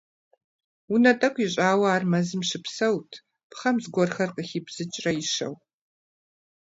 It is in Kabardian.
Унэ тӀэкӀу ищӀауэ ар мэзым щыпсэурт, пхъэм зыгуэрхэр къыхибзыкӀрэ ищэу.